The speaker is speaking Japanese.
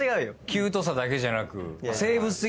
キュートさだけじゃなく。